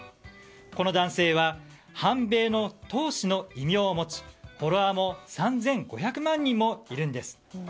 この男性は反米の闘士の異名を持ちフォロワーも３５００万人もいるんです。